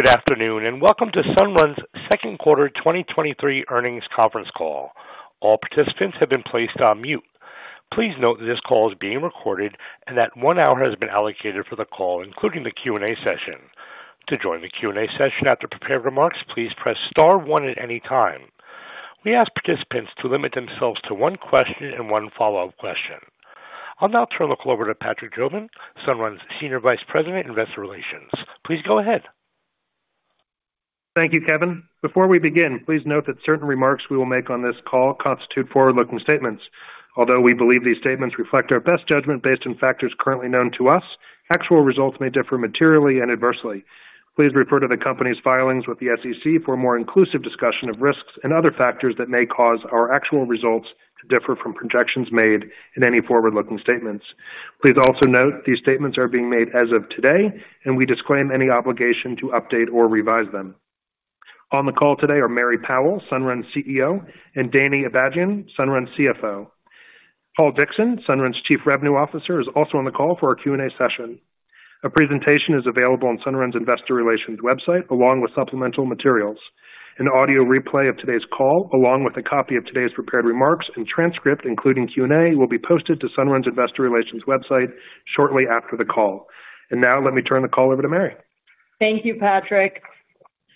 Good afternoon, welcome to Sunrun's second quarter 2023 earnings conference call. All participants have been placed on mute. Please note that this call is being recorded and that one hour has been allocated for the call, including the Q&A session. To join the Q&A session after prepared remarks, please press star one at any time. We ask participants to limit themselves to one question and one follow-up question. I'll now turn the call over to Patrick Jobin, Sunrun's Senior Vice President, Investor Relations. Please go ahead. Thank you, Kevin. Before we begin, please note that certain remarks we will make on this call constitute forward-looking statements. Although we believe these statements reflect our best judgment based on factors currently known to us, actual results may differ materially and adversely. Please refer to the company's filings with the SEC for a more inclusive discussion of risks and other factors that may cause our actual results to differ from projections made in any forward-looking statements. Please also note these statements are being made as of today, and we disclaim any obligation to update or revise them. On the call today are Mary Powell, Sunrun's CEO, and Danny Abajian, Sunrun's CFO. Paul Dickson, Sunrun's Chief Revenue Officer, is also on the call for our Q&A session. A presentation is available on Sunrun's Investor Relations website, along with supplemental materials. An audio replay of today's call, along with a copy of today's prepared remarks and transcript, including Q&A, will be posted to Sunrun's Investor Relations website shortly after the call. Now let me turn the call over to Mary. Thank you, Patrick.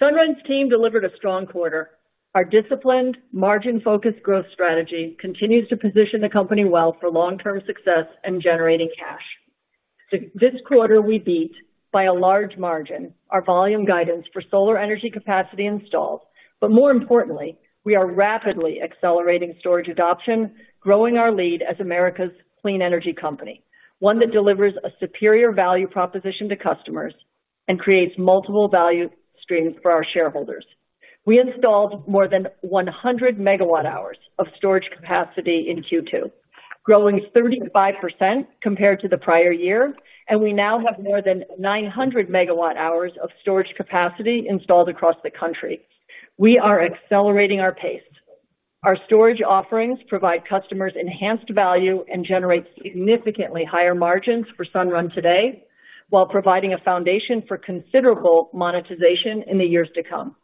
Sunrun's team delivered a strong quarter. Our disciplined, margin-focused growth strategy continues to position the company well for long-term success and generating cash. This quarter, we beat by a large margin our volume guidance for Solar Energy Capacity Installed, more importantly, we are rapidly accelerating storage adoption, growing our lead as America's clean energy company, one that delivers a superior value proposition to customers and creates multiple value streams for our shareholders. We installed more than 100 MW-hours of storage capacity in Q2, growing 35% compared to the prior year, we now have more than 900 MW-hours of storage capacity installed across the country. We are accelerating our pace. Our storage offerings provide customers enhanced value and generate significantly higher margins for Sunrun today, while providing a foundation for considerable monetization in the years to come.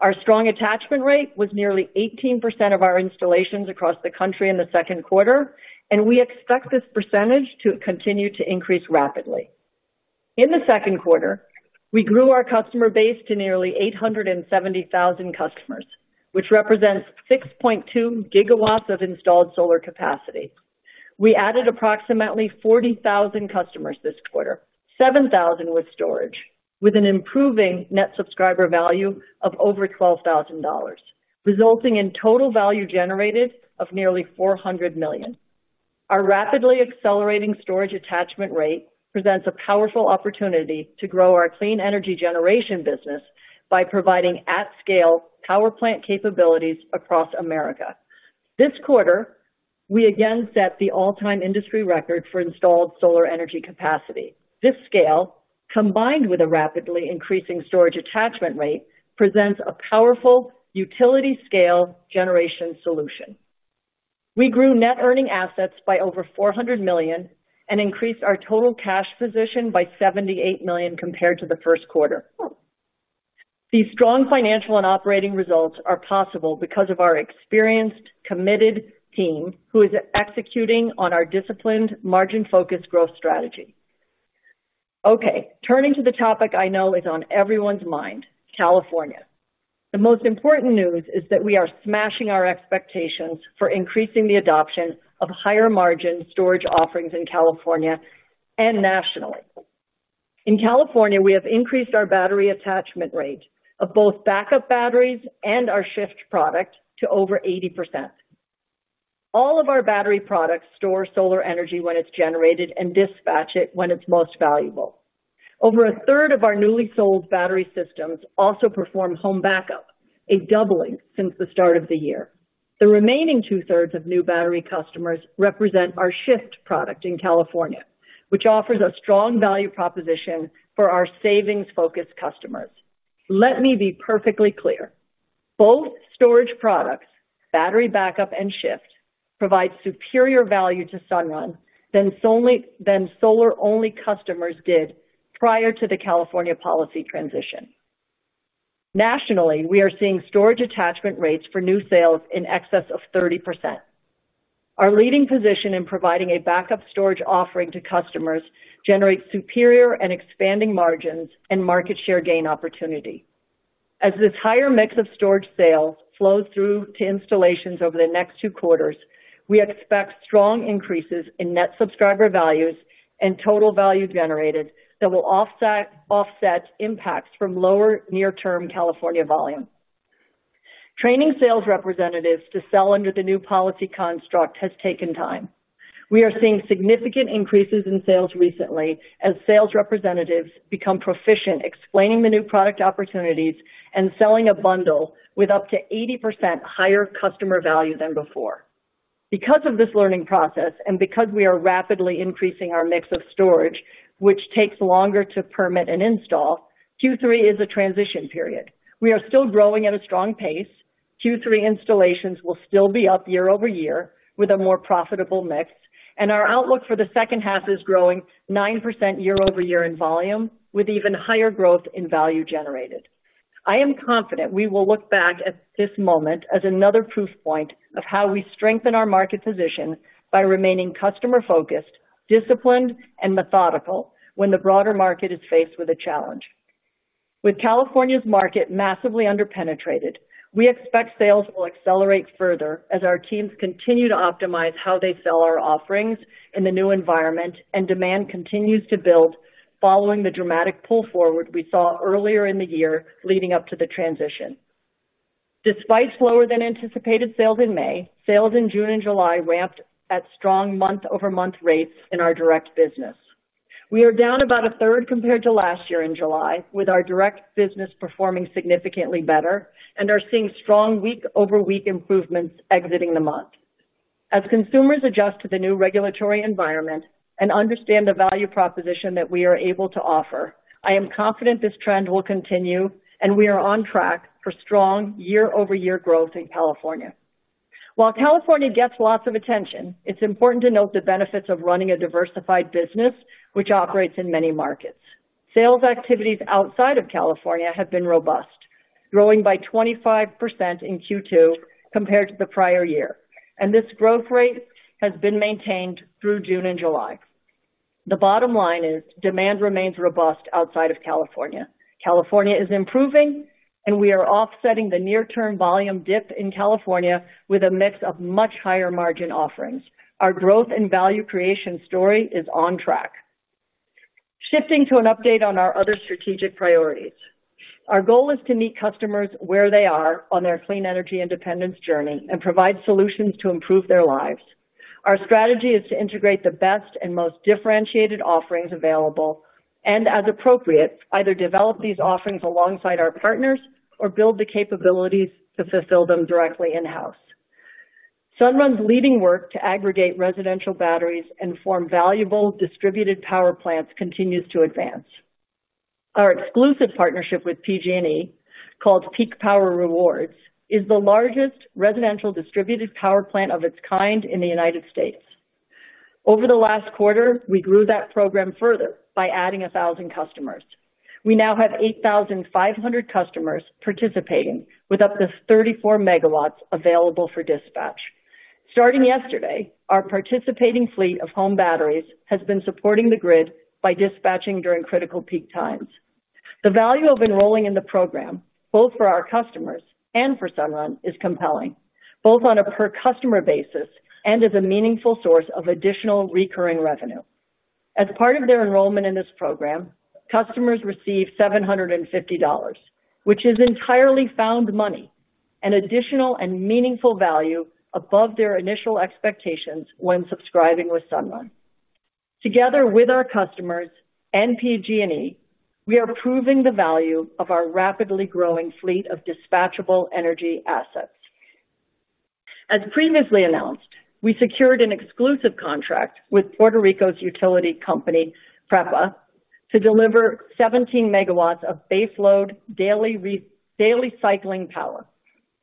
Our strong attachment rate was nearly 18% of our installations across the country in the second quarter. We expect this percentage to continue to increase rapidly. In the second quarter, we grew our customer base to nearly 870,000 customers, which represents 6.2 GW of installed solar capacity. We added approximately 40,000 customers this quarter, 7,000 with storage, with an improving Net Subscriber Value of over $12,000, resulting in Total Value Generated of nearly $400 million. Our rapidly accelerating storage attachment rate presents a powerful opportunity to grow our clean energy generation business by providing at-scale power plant capabilities across America. This quarter, we again set the all-time industry record for installed solar energy capacity. This scale, combined with a rapidly increasing storage attachment rate, presents a powerful utility scale generation solution. We grew net earning assets by over $400 million and increased our total cash position by $78 million compared to the first quarter. These strong financial and operating results are possible because of our experienced, committed team, who is executing on our disciplined, margin-focused growth strategy. Okay, turning to the topic I know is on everyone's mind, California. The most important news is that we are smashing our expectations for increasing the adoption of higher-margin storage offerings in California and nationally. In California, we have increased our battery attachment rate of both backup batteries and our Shift product to over 80%. All of our battery products store solar energy when it's generated and dispatch it when it's most valuable. Over one-third of our newly sold battery systems also perform home backup, a doubling since the start of the year. The remaining two-thirds of new battery customers represent our Shift product in California, which offers a strong value proposition for our savings-focused customers. Let me be perfectly clear. Both storage products, battery backup and Shift, provide superior value to Sunrun than solely than solar-only customers did prior to the California policy transition. Nationally, we are seeing storage attachment rates for new sales in excess of 30%. Our leading position in providing a backup storage offering to customers generates superior and expanding margins and market share gain opportunity. As this higher mix of storage sales flows through to installations over the next two quarters, we expect strong increases in Net Subscriber Values and Total Value Generated that will offset impacts from lower near-term California volume. Training sales representatives to sell under the new policy construct has taken time. We are seeing significant increases in sales recently as sales representatives become proficient, explaining the new product opportunities and selling a bundle with up to 80% higher customer value than before. Because of this learning process, and because we are rapidly increasing our mix of storage, which takes longer to permit and install, Q3 is a transition period. We are still growing at a strong pace.... Q3 installations will still be up year-over-year, with a more profitable mix, and our outlook for the second half is growing 9% year-over-year in volume, with even higher growth in value generated. I am confident we will look back at this moment as another proof point of how we strengthen our market position by remaining customer-focused, disciplined, and methodical when the broader market is faced with a challenge. With California's market massively underpenetrated, we expect sales will accelerate further as our teams continue to optimize how they sell our offerings in the new environment, and demand continues to build following the dramatic pull forward we saw earlier in the year leading up to the transition. Despite slower than anticipated sales in May, sales in June and July ramped at strong month-over-month rates in our direct business. We are down about a third compared to last year in July, with our direct business performing significantly better and are seeing strong week-over-week improvements exiting the month. As consumers adjust to the new regulatory environment and understand the value proposition that we are able to offer, I am confident this trend will continue, and we are on track for strong year-over-year growth in California. While California gets lots of attention, it's important to note the benefits of running a diversified business, which operates in many markets. Sales activities outside of California have been robust, growing by 25% in Q2 compared to the prior year, and this growth rate has been maintained through June and July. The bottom line is demand remains robust outside of California. California is improving, and we are offsetting the near-term volume dip in California with a mix of much higher margin offerings. Our growth and value creation story is on track. Shifting to an update on our other strategic priorities. Our goal is to meet customers where they are on their clean energy independence journey and provide solutions to improve their lives. Our strategy is to integrate the best and most differentiated offerings available, and as appropriate, either develop these offerings alongside our partners or build the capabilities to fulfill them directly in-house. Sunrun's leading work to aggregate residential batteries and form valuable distributed power plants continues to advance. Our exclusive partnership with PG&E, called Peak Power Rewards, is the largest residential distributed power plant of its kind in the United States. Over the last quarter, we grew that program further by adding 1,000 customers. We now have 8,500 customers participating, with up to 34 MW available for dispatch. Starting yesterday, our participating fleet of home batteries has been supporting the grid by dispatching during critical peak times. The value of enrolling in the program, both for our customers and for Sunrun, is compelling, both on a per customer basis and as a meaningful source of additional recurring revenue. As part of their enrollment in this program, customers receive $750, which is entirely found money, an additional and meaningful value above their initial expectations when subscribing with Sunrun. Together with our customers and PG&E, we are proving the value of our rapidly growing fleet of dispatchable energy assets. As previously announced, we secured an exclusive contract with Puerto Rico's utility company, PREPA, to deliver 17 MW of baseload daily cycling power.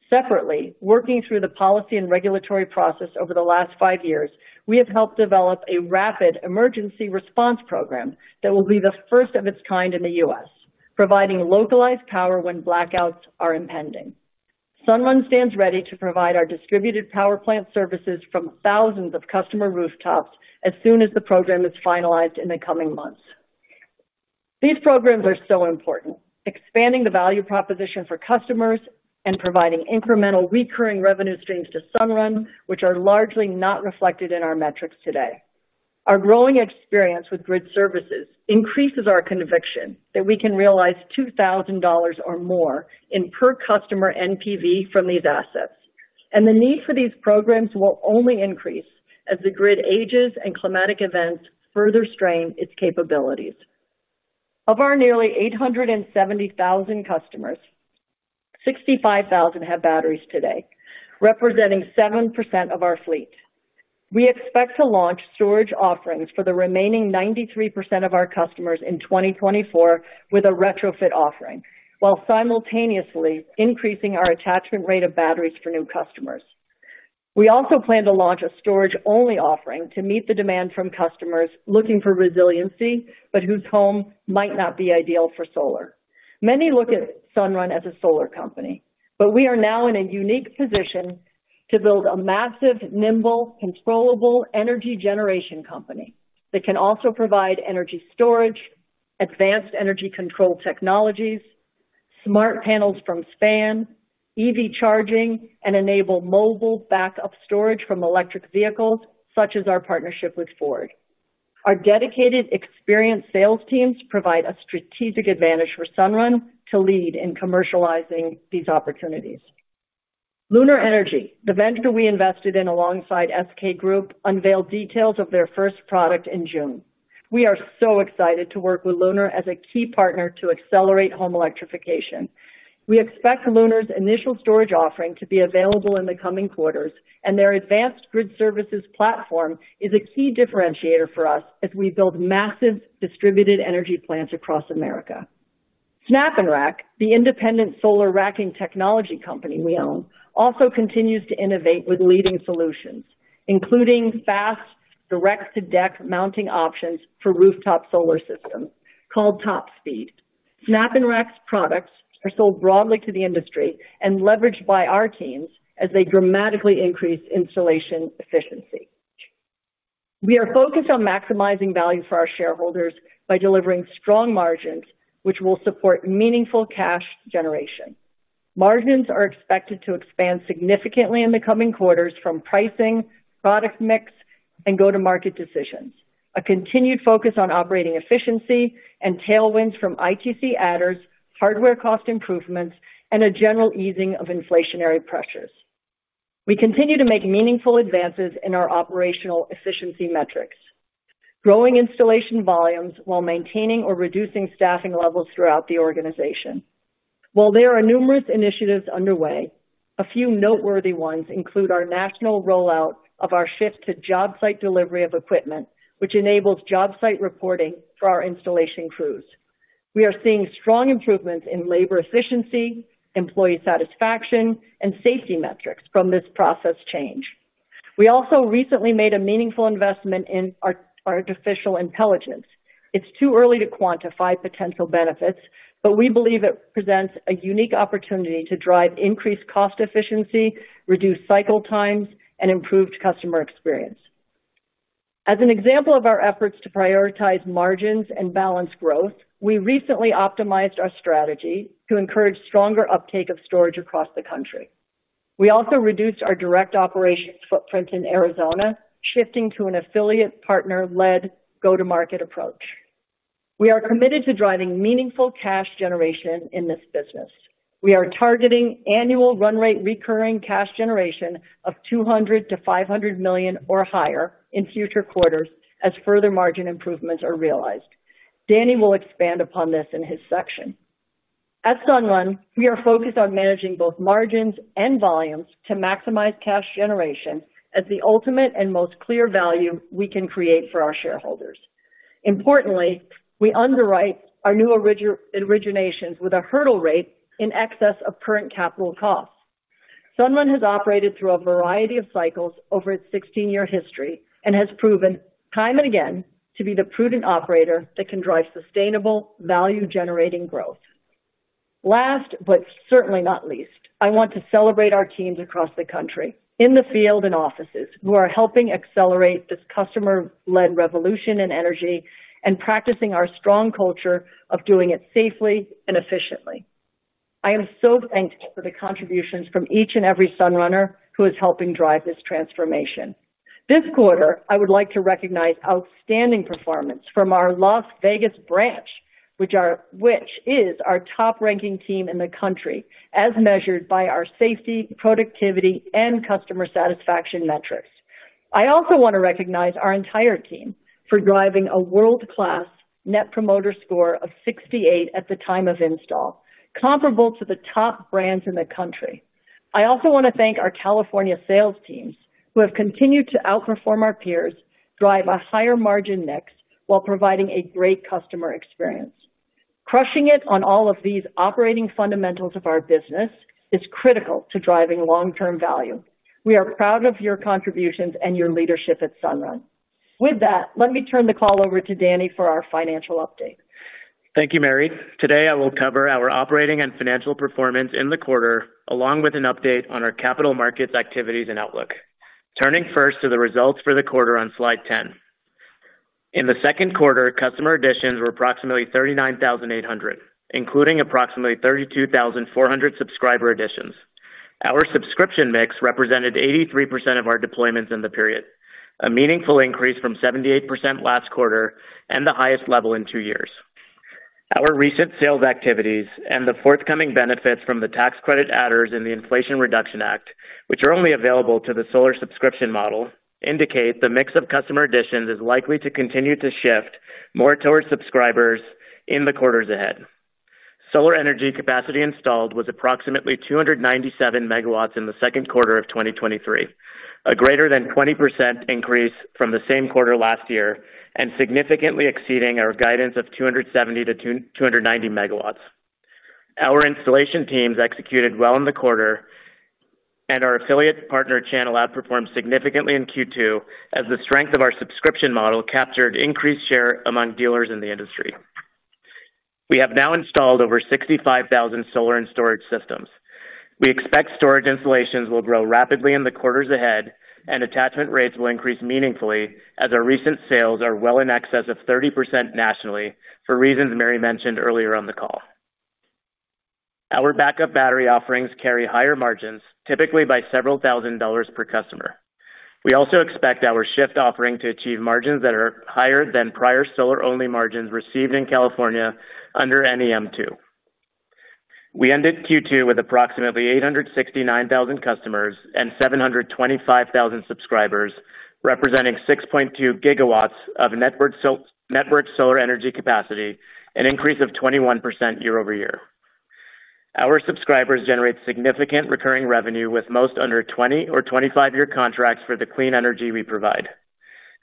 Separately, working through the policy and regulatory process over the last five years, we have helped develop a rapid emergency response program that will be the first of its kind in the U.S., providing localized power when blackouts are impending. Sunrun stands ready to provide our distributed power plant services from thousands of customer rooftops as soon as the program is finalized in the coming months. These programs are important, expanding the value proposition for customers and providing incremental recurring revenue streams to Sunrun, which are largely not reflected in our metrics today. Our growing experience with grid services increases our conviction that we can realize $2,000 or more in per customer NPV from these assets, and the need for these programs will only increase as the grid ages and climatic events further strain its capabilities. Of our nearly 870,000 customers, 65,000 have batteries today, representing 7% of our fleet. We expect to launch storage offerings for the remaining 93% of our customers in 2024 with a retrofit offering, while simultaneously increasing our attachment rate of batteries for new customers. We also plan to launch a storage-only offering to meet the demand from customers looking for resiliency, but whose home might not be ideal for solar. Many look at Sunrun as a solar company, but we are now in a unique position to build a massive, nimble, controllable energy generation company that can also provide energy storage, advanced energy control technologies, smart panels from SPAN, EV charging, and enable mobile backup storage from electric vehicles, such as our partnership with Ford. Our dedicated, experienced sales teams provide a strategic advantage for Sunrun to lead in commercializing these opportunities. Lunar Energy, the vendor we invested in alongside SK Group, unveiled details of their first product in June. We are so excited to work with Lunar as a key partner to accelerate home electrification. We expect Lunar's initial storage offering to be available in the coming quarters, and their advanced grid services platform is a key differentiator for us as we build massive distributed energy plants across America. SnapNrack, the independent solar racking technology company we own, also continues to innovate with leading solutions, including fast, direct-to-deck mounting options for rooftop solar systems called TopSpeed. SnapNrack's products are sold broadly to the industry and leveraged by our teams as they dramatically increase installation efficiency. We are focused on maximizing value for our shareholders by delivering strong margins, which will support meaningful cash generation. Margins are expected to expand significantly in the coming quarters from pricing, product mix, and go-to-market decisions, a continued focus on operating efficiency and tailwinds from ITC adders, hardware cost improvements, and a general easing of inflationary pressures. We continue to make meaningful advances in our operational efficiency metrics, growing installation volumes while maintaining or reducing staffing levels throughout the organization. While there are numerous initiatives underway, a few noteworthy ones include our national rollout of our shift to job site delivery of equipment, which enables job site reporting for our installation crews. We are seeing strong improvements in labor efficiency, employee satisfaction, and safety metrics from this process change. We also recently made a meaningful investment in our artificial intelligence. It's too early to quantify potential benefits, but we believe it presents a unique opportunity to drive increased cost efficiency, reduce cycle times, and improved customer experience. As an example of our efforts to prioritize margins and balance growth, we recently optimized our strategy to encourage stronger uptake of storage across the country. We also reduced our direct operations footprint in Arizona, shifting to an affiliate partner-led go-to-market approach. We are committed to driving meaningful cash generation in this business. We are targeting annual run rate recurring cash generation of $200 million-$500 million or higher in future quarters as further margin improvements are realized. Danny will expand upon this in his section. At Sunrun, we are focused on managing both margins and volumes to maximize cash generation as the ultimate and most clear value we can create for our shareholders. Importantly, we underwrite our new originations with a hurdle rate in excess of current capital costs. Sunrun has operated through a variety of cycles over its 16-year history and has proven time and again to be the prudent operator that can drive sustainable value-generating growth. Last, but certainly not least, I want to celebrate our teams across the country, in the field and offices, who are helping accelerate this customer-led revolution in energy and practicing our strong culture of doing it safely and efficiently. I am so thankful for the contributions from each and every Sunrunner who is helping drive this transformation. This quarter, I would like to recognize outstanding performance from our Las Vegas branch, which is our top-ranking team in the country, as measured by our safety, productivity, and customer satisfaction metrics. I also want to recognize our entire team for driving a world-class Net Promoter Score of 68 at the time of install, comparable to the top brands in the country. I also want to thank our California sales teams, who have continued to outperform our peers, drive a higher margin mix while providing a great customer experience. Crushing it on all of these operating fundamentals of our business is critical to driving long-term value. We are proud of your contributions and your leadership at Sunrun. With that, let me turn the call over to Danny for our financial update. Thank you, Mary. Today, I will cover our operating and financial performance in the quarter, along with an update on our capital markets activities and outlook. Turning first to the results for the quarter on slide 10. In the second quarter, customer additions were approximately 39,800, including approximately 32,400 subscriber additions. Our subscription mix represented 83% of our deployments in the period, a meaningful increase from 78% last quarter and the highest level in two years. Our recent sales activities and the forthcoming benefits from the tax credit adders in the Inflation Reduction Act, which are only available to the solar subscription model, indicate the mix of customer additions is likely to continue to shift more towards subscribers in the quarters ahead. Solar Energy Capacity Installed was approximately 297 MW in the second quarter of 2023, a greater than 20% increase from the same quarter last year, significantly exceeding our guidance of 270-290 MW. Our installation teams executed well in the quarter, our affiliate partner channel outperformed significantly in Q2 as the strength of our subscription model captured increased share among dealers in the industry. We have now installed over 65,000 solar and storage systems. We expect storage installations will grow rapidly in the quarters ahead, attachment rates will increase meaningfully, as our recent sales are well in excess of 30% nationally for reasons Mary mentioned earlier on the call. Our backup battery offerings carry higher margins, typically by several thousand dollars per customer. We also expect our Shift offering to achieve margins that are higher than prior solar-only margins received in California under NEM2. We ended Q2 with approximately 869,000 customers and 725,000 subscribers, representing 6.2 GW of network solar energy capacity, an increase of 21% year-over-year. Our subscribers generate significant recurring revenue with most under 20- or 25-year contracts for the clean energy we provide.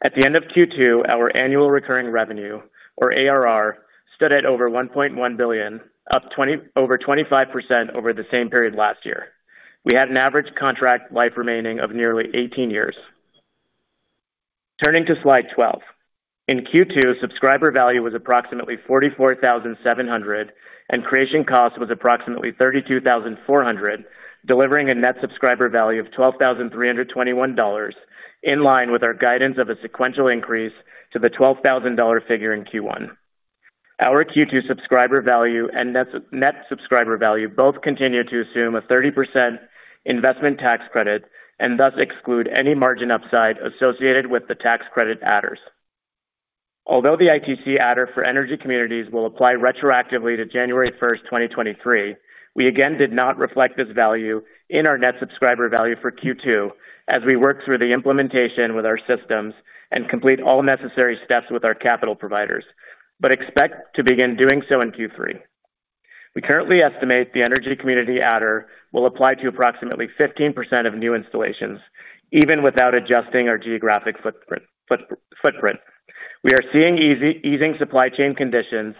At the end of Q2, our annual recurring revenue, or ARR, stood at over $1.1 billion, up over 25% over the same period last year. We had an average contract life remaining of nearly 18 years. Turning to slide 12. In Q2, Subscriber Value was approximately $44,700, and Creation Cost was approximately $32,400, delivering a Net Subscriber Value of $12,321, in line with our guidance of a sequential increase to the $12,000 figure in Q1. Our Q2 Subscriber Value and Net Subscriber Value both continue to assume a 30% Investment Tax Credit and thus exclude any margin upside associated with the tax credit adders. Although the ITC adder for energy communities will apply retroactively to January 1, 2023, we again did not reflect this value in our Net Subscriber Value for Q2 as we work through the implementation with our systems and complete all necessary steps with our capital providers, but expect to begin doing so in Q3. We currently estimate the Energy Community adder will apply to approximately 15% of new installations, even without adjusting our geographic footprint. We are seeing easing supply chain conditions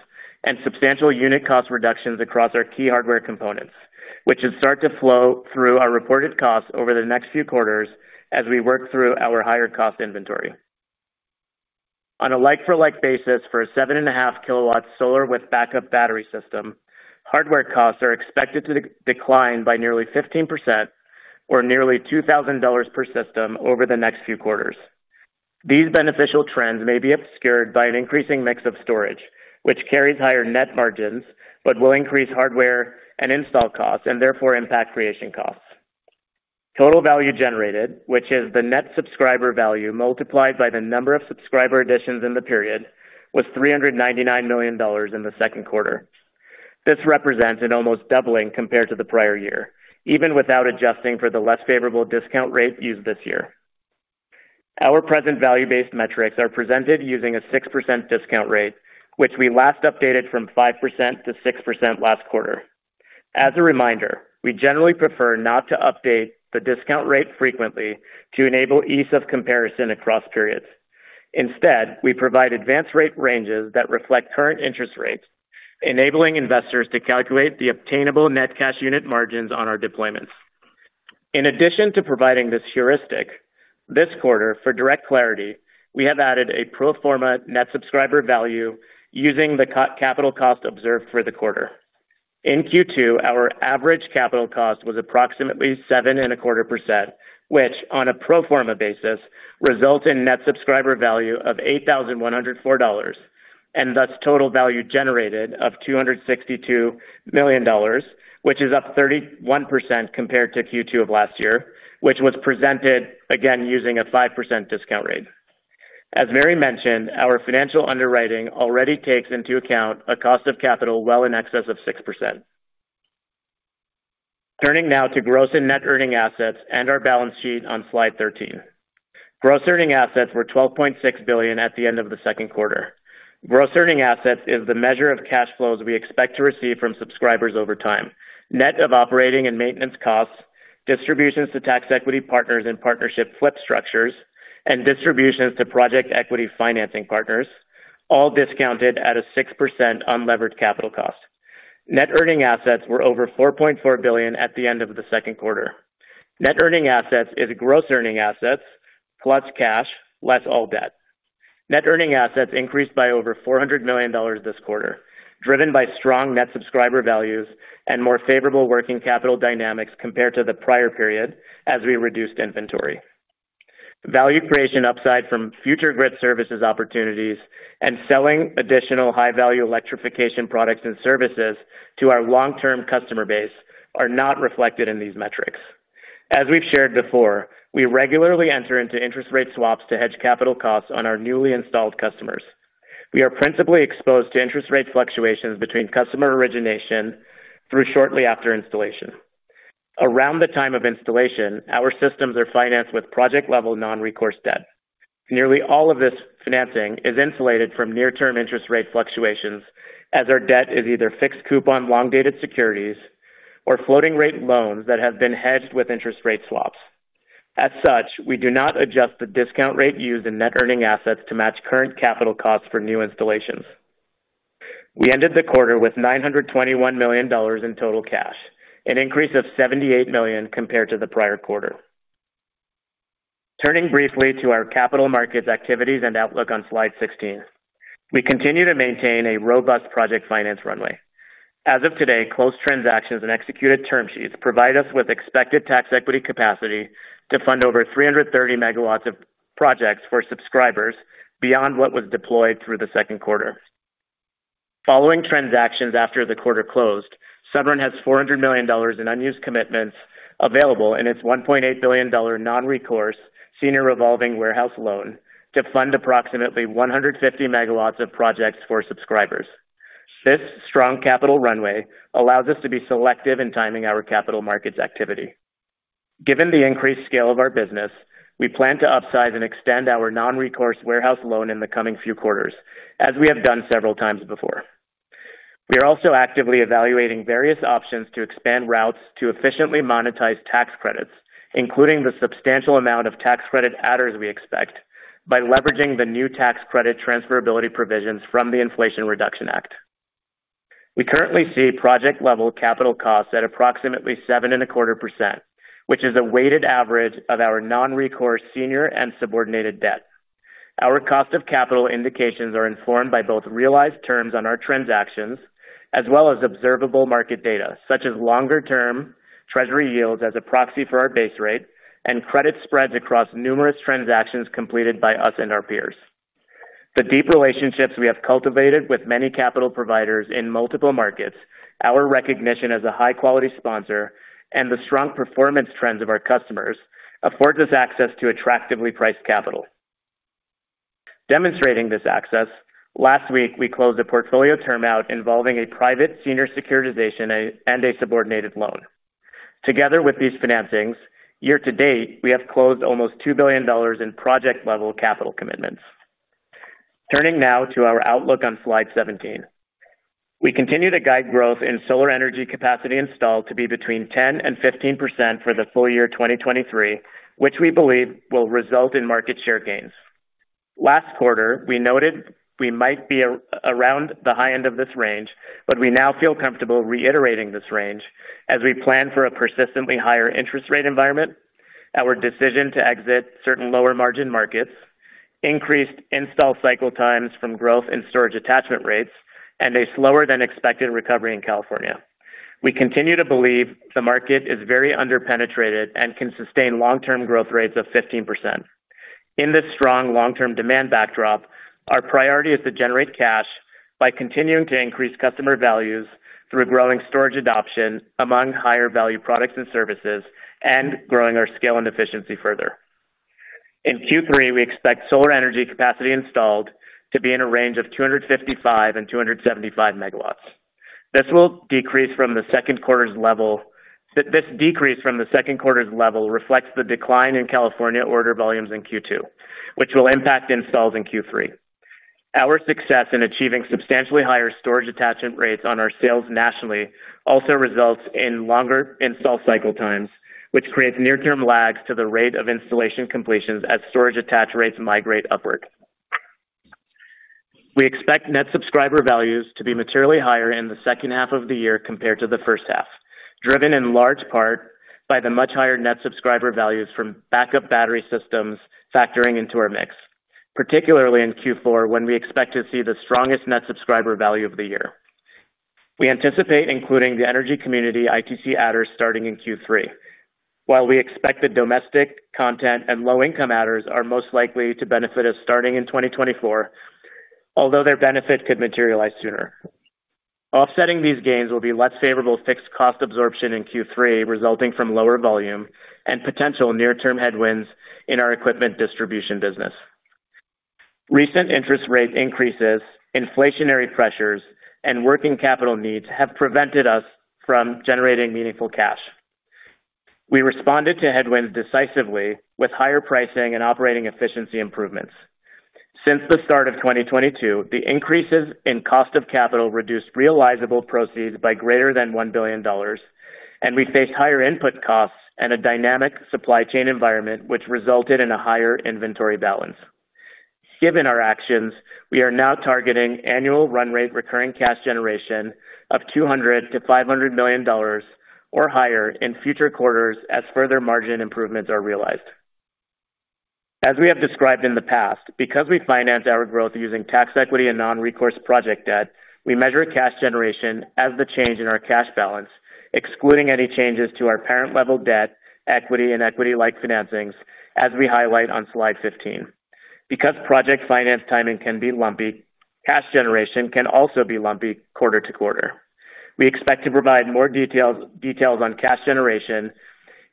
and substantial unit cost reductions across our key hardware components, which should start to flow through our reported costs over the next few quarters as we work through our higher cost inventory. On a like-for-like basis for a 7.5-kilowatt solar with backup battery system, hardware costs are expected to decline by nearly 15% or nearly $2,000 per system over the next few quarters. These beneficial trends may be obscured by an increasing mix of storage, which carries higher net margins, but will increase hardware and install costs and therefore impact Creation Costs. Total Value Generated, which is the Net Subscriber Value multiplied by the number of subscriber additions in the period, was $399 million in the second quarter. This represents an almost doubling compared to the prior year, even without adjusting for the less favorable discount rate used this year. Our present value-based metrics are presented using a 6% discount rate, which we last updated from 5% to 6% last quarter. As a reminder, we generally prefer not to update the discount rate frequently to enable ease of comparison across periods. Instead, we provide advanced rate ranges that reflect current interest rates, enabling investors to calculate the obtainable net cash unit margins on our deployments. In addition to providing this heuristic, this quarter, for direct clarity, we have added a pro forma Net Subscriber Value using the capital cost observed for the quarter. In Q2, our average capital cost was approximately 7.25%, which, on a pro forma basis, results in Net Subscriber Value of $8,104, and thus Total Value Generated of $262 million, which is up 31% compared to Q2 of last year, which was presented, again, using a 5% discount rate. As Mary mentioned, our financial underwriting already takes into account a cost of capital well in excess of 6%. Turning now to gross and net earning assets and our balance sheet on slide 13. Gross earning assets were $12.6 billion at the end of the second quarter. Gross earning assets is the measure of cash flows we expect to receive from subscribers over time, net of operating and maintenance costs, distributions to tax equity partners in partnership flip structures, and distributions to project equity financing partners, all discounted at a 6% unlevered capital cost. Net earning assets were over $4.4 billion at the end of the second quarter. Net earning assets is gross earning assets, plus cash, less all debt. Net earning assets increased by over $400 million this quarter, driven by strong Net Subscriber Values and more favorable working capital dynamics compared to the prior period as we reduced inventory. Value creation upside from future grid services opportunities and selling additional high-value electrification products and services to our long-term customer base are not reflected in these metrics. As we've shared before, we regularly enter into interest rate swaps to hedge capital costs on our newly installed customers. We are principally exposed to interest rate fluctuations between customer origination through shortly after installation. Around the time of installation, our systems are financed with project-level non-recourse debt. Nearly all of this financing is insulated from near-term interest rate fluctuations, as our debt is either fixed coupon, long-dated securities or floating rate loans that have been hedged with interest rate swaps. As such, we do not adjust the discount rate used in net earning assets to match current capital costs for new installations. We ended the quarter with $921 million in total cash, an increase of $78 million compared to the prior quarter. Turning briefly to our capital markets activities and outlook on slide 16. We continue to maintain a robust project finance runway. As of today, closed transactions and executed term sheets provide us with expected tax equity capacity to fund over 330 MW of projects for subscribers beyond what was deployed through the second quarter. Following transactions after the quarter closed, Sunrun has $400 million in unused commitments available in its $1.8 billion non-recourse senior revolving warehouse loan to fund approximately 150 MW of projects for subscribers. This strong capital runway allows us to be selective in timing our capital markets activity. Given the increased scale of our business, we plan to upsize and extend our non-recourse warehouse loan in the coming few quarters, as we have done several times before. We are also actively evaluating various options to expand routes to efficiently monetize tax credits, including the substantial amount of tax credit adders we expect, by leveraging the new tax credit transferability provisions from the Inflation Reduction Act. We currently see project-level capital costs at approximately 7.25%, which is a weighted average of our non-recourse senior and subordinated debt. Our cost of capital indications are informed by both realized terms on our transactions as well as observable market data, such as longer-term treasury yields as a proxy for our base rate and credit spreads across numerous transactions completed by us and our peers. The deep relationships we have cultivated with many capital providers in multiple markets, our recognition as a high-quality sponsor, and the strong performance trends of our customers affords us access to attractively priced capital. Demonstrating this access, last week, we closed a portfolio term out involving a private senior securitization and a subordinated loan. Together with these financings, year-to-date, we have closed almost $2 billion in project-level capital commitments. Turning now to our outlook on slide 17. We continue to guide growth in solar energy capacity installed to be between 10% and 15% for the full year 2023, which we believe will result in market share gains. Last quarter, we noted we might be around the high end of this range, but we now feel comfortable reiterating this range as we plan for a persistently higher interest rate environment, our decision to exit certain lower margin markets, increased install cycle times from growth and storage attachment rates, and a slower than expected recovery in California. We continue to believe the market is very underpenetrated and can sustain long-term growth rates of 15%. In this strong long-term demand backdrop, our priority is to generate cash by continuing to increase customer values through growing storage adoption among higher value products and services and growing our scale and efficiency further. In Q3, we expect Solar Energy Capacity Installed to be in a range of 255 and 275 MW. This decrease from the second quarter's level reflects the decline in California order volumes in Q2, which will impact installs in Q3. Our success in achieving substantially higher storage attachment rates on our sales Nationally also results in longer install cycle times, which creates near-term lags to the rate of installation completions as storage attach rates migrate upward. We expect Net Subscriber Values to be materially higher in the second half of the year compared to the first half, driven in large part by the much higher Net Subscriber Values from backup battery systems factoring into our mix, particularly in Q4, when we expect to see the strongest Net Subscriber Value of the year. We anticipate including the Energy Community ITC adders starting in Q3. While we expect that domestic content and low-income adders are most likely to benefit us starting in 2024, although their benefit could materialize sooner. Offsetting these gains will be less favorable fixed cost absorption in Q3, resulting from lower volume and potential near-term headwinds in our equipment distribution business. Recent interest rate increases, inflationary pressures, and working capital needs have prevented us from generating meaningful cash. We responded to headwinds decisively with higher pricing and operating efficiency improvements. Since the start of 2022, the increases in cost of capital reduced realizable proceeds by greater than $1 billion. We faced higher input costs and a dynamic supply chain environment, which resulted in a higher inventory balance. Given our actions, we are now targeting annual run rate recurring cash generation of $200 million-$500 million or higher in future quarters as further margin improvements are realized. As we have described in the past, because we finance our growth using tax equity and non-recourse project debt, we measure cash generation as the change in our cash balance, excluding any changes to our parent level debt, equity and equity-like financings, as we highlight on slide 15. Because project finance timing can be lumpy, cash generation can also be lumpy quarter to quarter. We expect to provide more details, details on cash generation,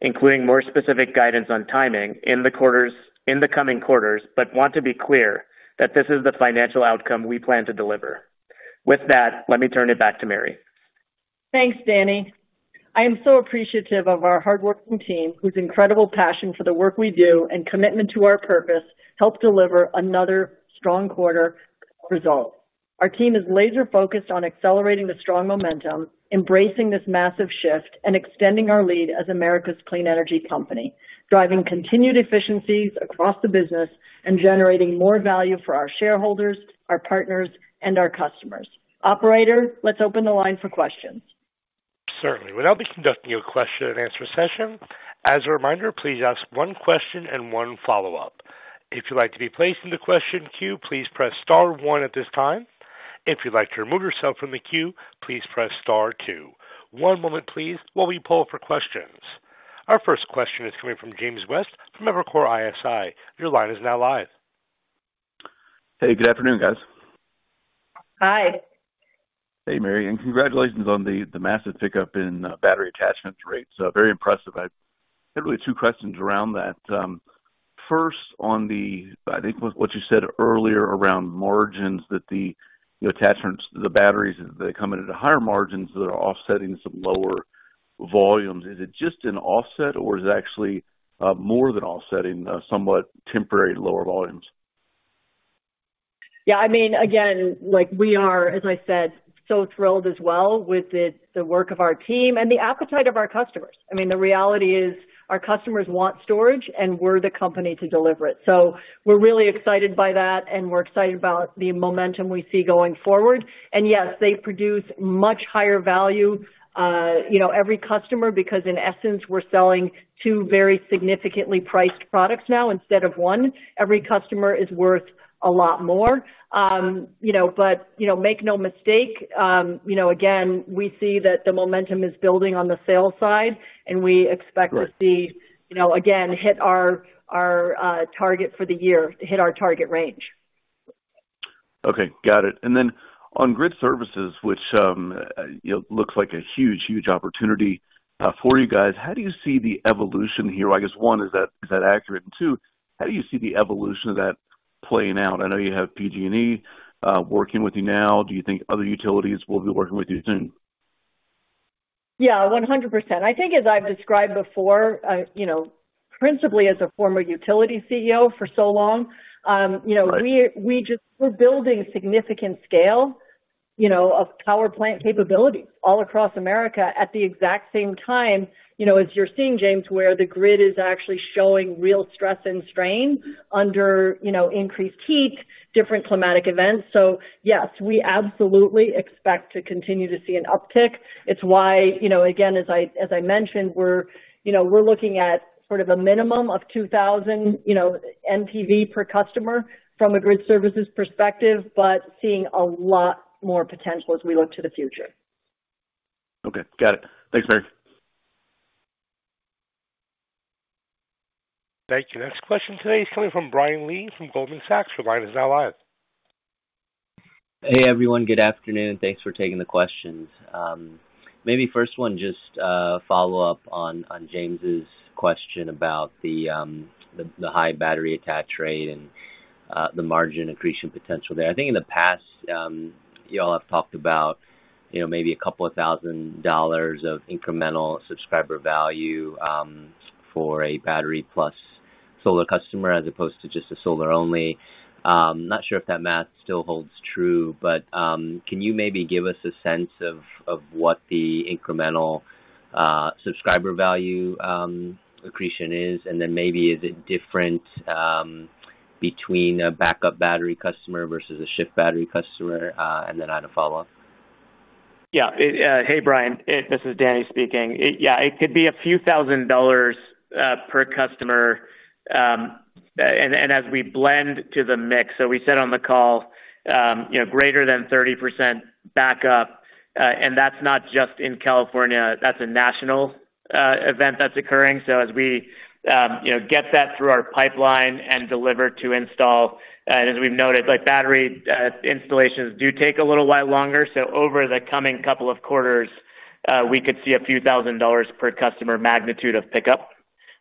including more specific guidance on timing in the coming quarters, but want to be clear that this is the financial outcome we plan to deliver. With that, let me turn it back to Mary. Thanks, Danny. I am so appreciative of our hardworking team, whose incredible passion for the work we do and commitment to our purpose helped deliver another strong quarter result. Our team is laser-focused on accelerating the strong momentum, embracing this massive shift, and extending our lead as America's clean energy company, driving continued efficiencies across the business and generating more value for our shareholders, our partners, and our customers. Operator, let's open the line for questions. Certainly. We'll now be conducting a question-and-answer session. As a reminder, please ask one question and one follow-up. If you'd like to be placed in the question queue, please press star one at this time. If you'd like to remove yourself from the queue, please press star two. One moment please, while we poll for questions. Our first question is coming from James West from Evercore ISI. Your line is now live. Hey, good afternoon, guys. Hi. Hey, Mary, Congratulations on the massive pickup in battery attachment rates. Very impressive. I have really two questions around that. First, on what you said earlier around margins, that the attachments, the batteries, they come in at higher margins that are offsetting some lower volumes. Is it just an offset or is it actually more than offsetting somewhat temporary lower volumes? Yeah, I mean, again, like we are, as I said, so thrilled as well with the work of our team and the appetite of our customers. I mean, the reality is our customers want storage, and we're the company to deliver it. We're really excited by that, and we're excited about the momentum we see going forward. Yes, they produce much higher value, you know, every customer, because in essence, we're selling two very significantly priced products now instead of one. Every customer is worth a lot more. You know, but, you know, again, we see that the momentum is building on the sales side, and we expect to see- Right. you know, again, hit our, our, target for the year, hit our target range. Okay, got it. On grid services, which, you know, looks like a huge, huge opportunity for you guys, how do you see the evolution here? I guess one, is that, is that accurate? Two, how do you see the evolution of that playing out? I know you have PG&E working with you now. Do you think other utilities will be working with you soon? Yeah, 100%. I think, as I've described before, you know, principally as a former utility CEO for so long, you know. Right. We're building significant scale, you know, of power plant capabilities all across America at the exact same time, you know, as you're seeing, James, where the grid is actually showing real stress and strain under, you know, increased heat, different climatic events. Yes, we absolutely expect to continue to see an uptick. It's why, you know, again, as I, as I mentioned, we're, you know, we're looking at sort of a minimum of $2,000, you know, NPV per customer from a grid services perspective, but seeing a lot more potential as we look to the future. Okay, got it. Thanks, Mary. Thank you. Next question today is coming from Brian Lee, from Goldman Sachs. Provider is now live. Hey, everyone. Good afternoon. Thanks for taking the questions. Maybe first one, just a follow up on, on James's question about the, the high battery attach rate and the margin accretion potential there. I think in the past, you all have talked about, you know, maybe a couple of thousand dollars of incremental Subscriber Value for a battery plus solar customer, as opposed to just a solar only. Not sure if that math still holds true, but can you maybe give us a sense of what the incremental Subscriber Value accretion is? Then maybe is it different between a backup battery customer versus a Shift battery customer? Then I had a follow-up. Yeah. Hey, Brian, this is Danny speaking. Yeah, it could be a few thousand dollars per customer, and as we blend to the mix. We said on the call, you know, greater than 30% backup, and that's not just in California, that's a national event that's occurring. As we, you know, get that through our pipeline and deliver to install, and as we've noted, like, battery installations do take a little while longer. Over the coming couple of quarters, we could see a few thousand dollars per customer magnitude of pickup,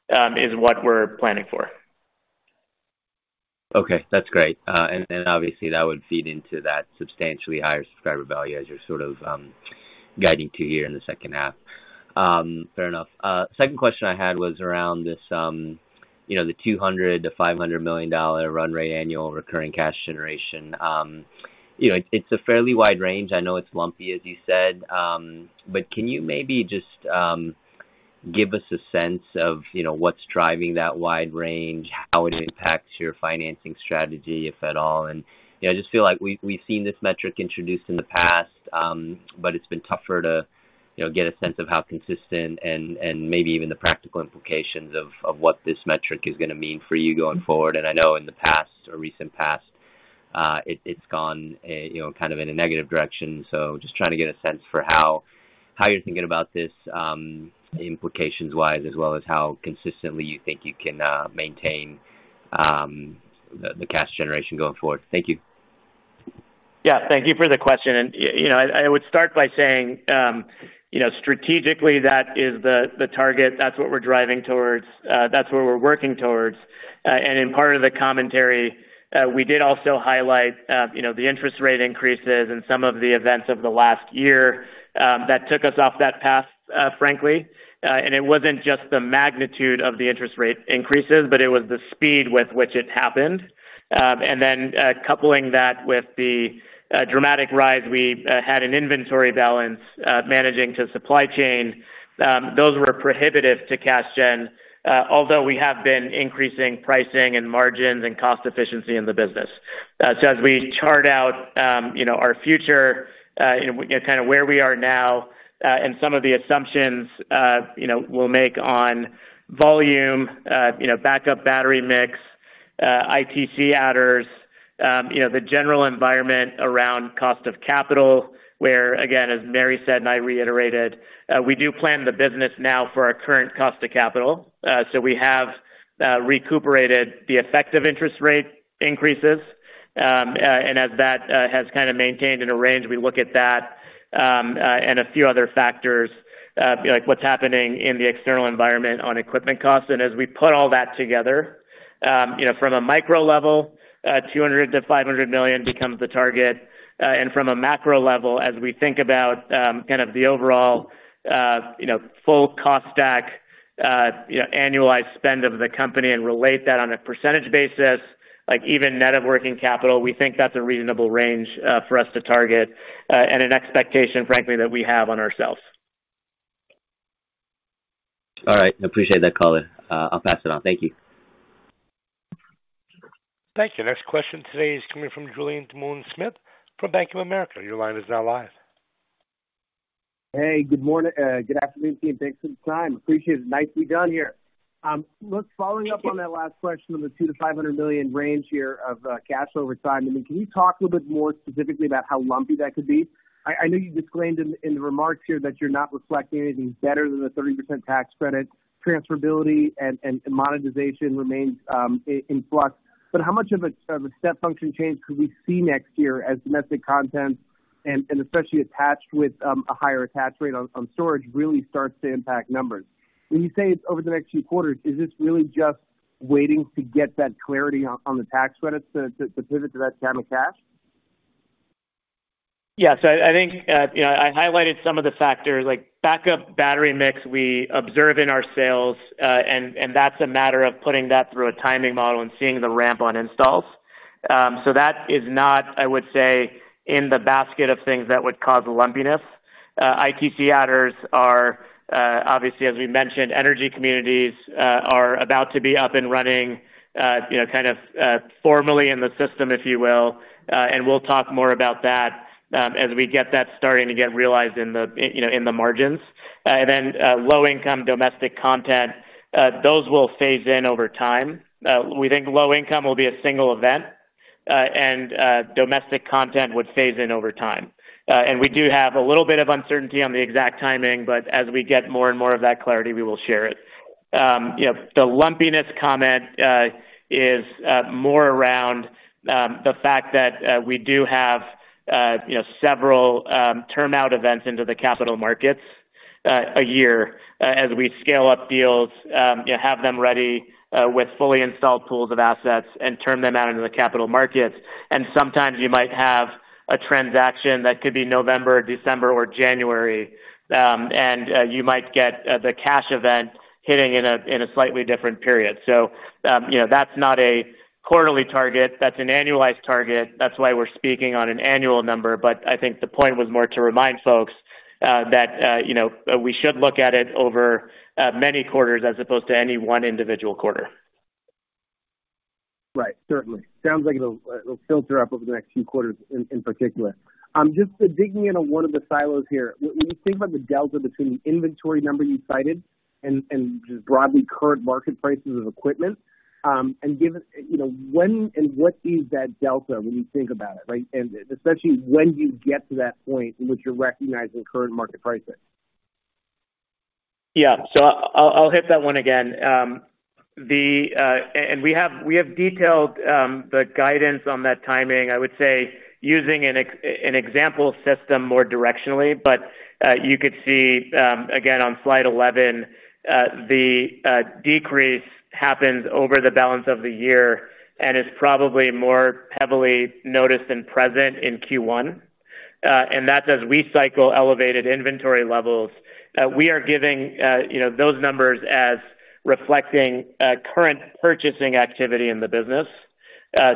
is what we're planning for. Okay, that's great. Obviously, that would feed into that substantially higher Subscriber Value as you're sort of guiding to here in the second half. Fair enough. Second question I had was around this, you know, the $200 million-$500 million run rate, annual recurring cash generation. You know, it's a fairly wide range. I know it's lumpy, as you said, but can you maybe just give us a sense of, you know, what's driving that wide range, how it impacts your financing strategy, if at all? You know, I just feel like we've, we've seen this metric introduced in the past, but it's been tougher to, you know, get a sense of how consistent and maybe even the practical implications of what this metric is gonna mean for you going forward. I know in the past or recent past, it's gone, you know, kind of in a negative direction. Just trying to get a sense for how, how you're thinking about this, implications wise, as well as how consistently you think you can maintain the cash generation going forward. Thank you. Yeah, thank you for the question. You know, I would start by saying, you know, strategically, that is the, the target. That's what we're driving towards. That's what we're working towards. In part of the commentary, we did also highlight, you know, the interest rate increases and some of the events of the last year, that took us off that path, frankly. It wasn't just the magnitude of the interest rate increases, but it was the speed with which it happened. Then, coupling that with the dramatic rise, we had an inventory balance, managing to supply chain. Those were prohibitive to cash gen, although we have been increasing pricing and margins and cost efficiency in the business. As we chart out, you know, our future, you know, kind of where we are now, and some of the assumptions, you know, we'll make on volume, you know, backup battery mix, ITC adders, you know, the general environment around cost of capital, where, again, as Mary said, and I reiterated, we do plan the business now for our current cost of capital. We have recuperated the effective interest rate increases. As that has kind of maintained in a range, we look at that and a few other factors, like what's happening in the external environment on equipment costs. As we put all that together, you know, from a micro level, $200 million-$500 million becomes the target. From a macro level, as we think about, kind of the overall, you know, full cost stack, you know, annualized spend of the company and relate that on a percentage basis, like even net of working capital, we think that's a reasonable range for us to target and an expectation, frankly, that we have on ourselves. All right, I appreciate that, color. I'll pass it on. Thank you. Thank you. Next question today is coming from Julien Dumoulin-Smith from Bank of America. Your line is now live. Hey, good morning, good afternoon, team. Thanks for the time. Appreciate it. Nicely done here. look, following up on that last question on the $200 million-$500 million range here of, cash over time, I mean, can you talk a little bit more specifically about how lumpy that could be? I, I know you disclaimed in, in the remarks here that you're not reflecting anything better than the 30% tax credit. Transferability and, and monetization remains, i-in flux. How much of a, of a step function change could we see next year as domestic content and, and especially attached with, a higher attach rate on, on storage, really starts to impact numbers? When you say it's over the next few quarters, is this really just waiting to get that clarity on, on the tax credits to, to pivot to that time of cash? Yes. I, I think, you know, I highlighted some of the factors like backup battery mix we observe in our sales, and that's a matter of putting that through a timing model and seeing the ramp on installs. That is not, I would say, in the basket of things that would cause lumpiness. ITC adders are, obviously, as we mentioned, energy communities, are about to be up and running, you know, kind of, formally in the system, if you will. We'll talk more about that, as we get that starting to get realized in the, you know, in the margins. Then, low income domestic content, those will phase in over time. We think low income will be a single event, domestic content would phase in over time. We do have a little bit of uncertainty on the exact timing, but as we get more and more of that clarity, we will share it. You know, the lumpiness comment is more around the fact that we do have, you know, several term out events into the capital markets a year as we scale up deals, you know, have them ready with fully installed pools of assets and turn them out into the capital markets. Sometimes you might have a transaction that could be November, December, or January, and you might get the cash event hitting in a slightly different period. You know, that's not a quarterly target, that's an annualized target. That's why we're speaking on an annual number. I think the point was more to remind folks, that, you know, we should look at it over many quarters as opposed to any one individual quarter. Right. Certainly. Sounds like it'll, it'll filter up over the next few quarters in, in particular. Just digging in on one of the silos here. When you think about the delta between the inventory numbers you cited and, and just broadly current market prices of equipment, and given, you know, when and what is that delta when you think about it, right? Especially when you get to that point in which you're recognizing current market prices. Yeah. So I'll, I'll hit that one again. The, we have, we have detailed the guidance on that timing, I would say, using an example system more directionally. You could see, again on slide 11, the decrease happens over the balance of the year and is probably more heavily noticed and present in Q1. And that's as we cycle elevated inventory levels, we are giving, you know, those numbers as reflecting current purchasing activity in the business.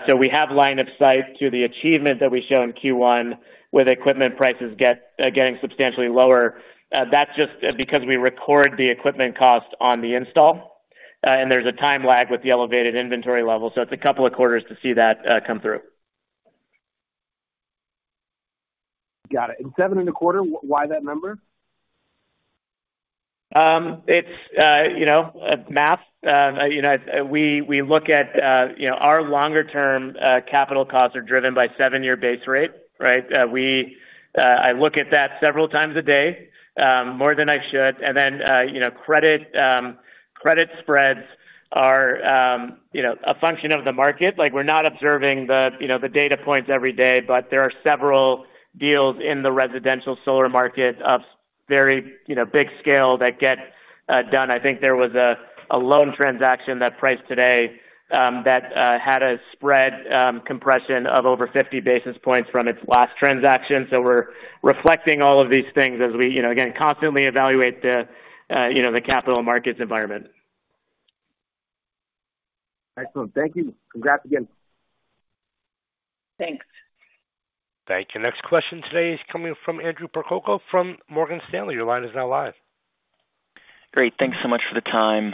So we have line of sight to the achievement that we show in Q1, with equipment prices getting substantially lower. That's just because we record the equipment cost on the install, and there's a time lag with the elevated inventory level, so it's a couple of quarters to see that come through. Got it. 7.25%, why that number? It's, you know, math. You know, we, we look at, you know, our longer term, capital costs are driven by 7-year base rate, right? I look at that several times a day, more than I should. You know, credit, credit spreads are, you know, a function of the market. Like, we're not observing the, you know, the data points every day, but there are several deals in the residential solar market of very, you know, big scale that get done. I think there was a, a loan transaction that priced today, that had a spread, compression of over 50 basis points from its last transaction. We're reflecting all of these things as we, you know, again, constantly evaluate the, you know, the capital markets environment. Excellent. Thank you. Congrats again. Thanks. Thank you. Next question today is coming from Andrew Percoco from Morgan Stanley. Your line is now live. Great. Thanks so much for the time.